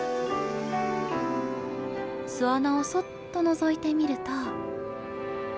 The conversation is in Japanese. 巣穴をそっとのぞいてみると。